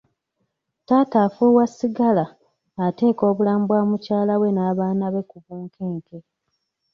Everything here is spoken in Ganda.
Taata afuuwa sigala ateeka obulamu bwa mukyala we n'abaana be ku bunkenke.